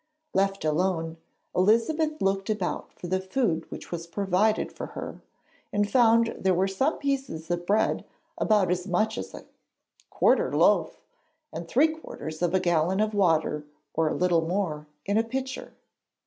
Left alone, Elizabeth looked about for the food which was provided for her, and found there were some pieces of bread about as much as a 'quartern loaf' and three quarters of a gallon of water or a little more, in a pitcher.